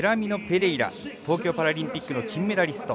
東京パラリンピックの金メダリスト。